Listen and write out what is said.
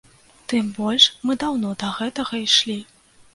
Тым больш мы даўно да гэтага ішлі.